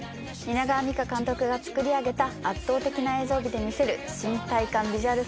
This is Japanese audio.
蜷川実花監督が作り上げた圧倒的な映像美で見せる新体感ビジュアル